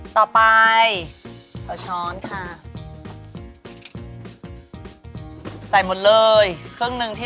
ต่อไป